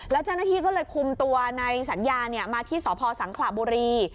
แล้วเจ้าหน้าที่ก็เลยคุมตัวในสัญญามาที่สพสังขระบุรี